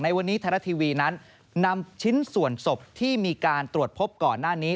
วันนี้ไทยรัฐทีวีนั้นนำชิ้นส่วนศพที่มีการตรวจพบก่อนหน้านี้